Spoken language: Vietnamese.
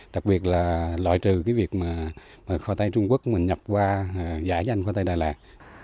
đặc biệt là loại trừ cái việc mà khoai tây trung quốc mà nhập qua giả danh khoai tây đà lạt